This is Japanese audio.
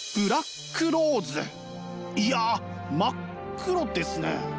いや真っ黒ですね。